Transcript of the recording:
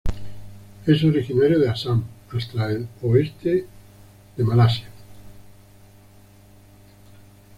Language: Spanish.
Es originario de Assam hasta el oeste de Malasia.